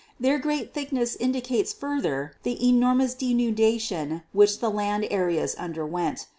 Their great thickness indi cates further the enormous denudation which the land areas underwent.